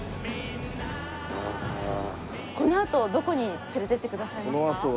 このあとどこに連れてってくださいますか？